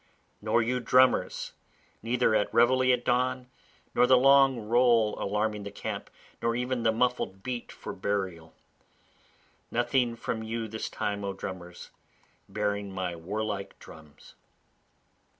Nor you drummers, neither at reveille at dawn, Nor the long roll alarming the camp, nor even the muffled beat for burial, Nothing from you this time O drummers bearing my warlike drums.